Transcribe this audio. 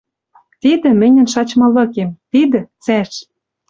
Тидӹ мӹньӹн шачмы лыкем. Тидӹ — цӓш.